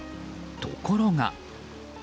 ところが。